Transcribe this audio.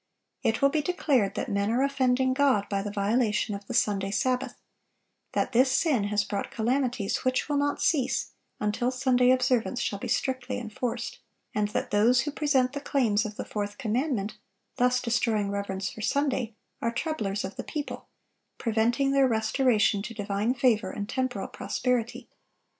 It will be declared that men are offending God by the violation of the Sunday sabbath; that this sin has brought calamities which will not cease until Sunday observance shall be strictly enforced; and that those who present the claims of the fourth commandment, thus destroying reverence for Sunday, are troublers of the people, preventing their restoration to divine favor and temporal prosperity.